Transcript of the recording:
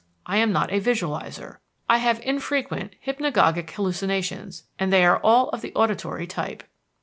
I am not a 'visualizer;' I have infrequent hypnagogic hallucinations, and they are all of the auditory type.